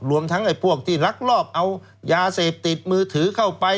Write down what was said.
รวมทั้งไอ้พวกที่ลักลอบเอายาเสพติดมือถือเข้าไป